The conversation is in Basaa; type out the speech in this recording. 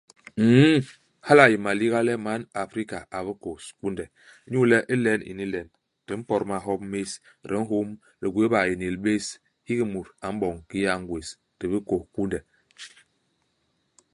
Nn, hala a yé maliga le man Afrika a bikôs kunde. Inyu le ilen ini len, di mpot mahop més, di nhôm, di gwéé baénél bés, hiki mut a m'boñ kiki a ngwés. DI bikôs kunde.